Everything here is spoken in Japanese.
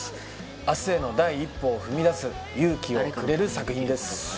明日への第一歩を踏み出す勇気をくれる作品です。